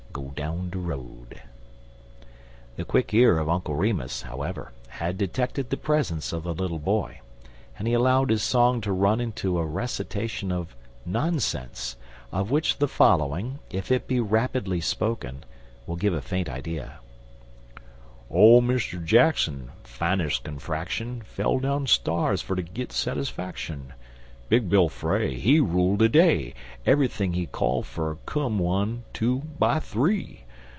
go down de road!)." The quick ear of Uncle Remus, however, had detected the presence of the little boy, and he allowed his song to run into a recitation of nonsense, of which the following, if it be rapidly spoken, will give a faint idea: "Ole M'er Jackson, fines' confraction, fell down sta'rs fer to git satisfaction; big Bill Fray, he rule de day, eve'ything he call fer come one, two by three.